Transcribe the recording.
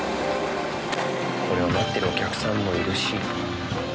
これを待ってるお客さんもいるし。